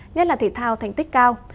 nhất là thể thao thành tích cao